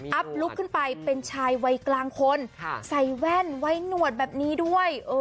ลุกขึ้นไปเป็นชายวัยกลางคนใส่แว่นไว้หนวดแบบนี้ด้วย